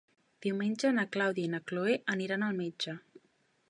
Diumenge na Clàudia i na Cloè iran al metge.